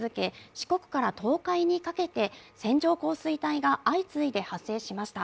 四国から東海にかけて線状降水帯が相次いで発生しました。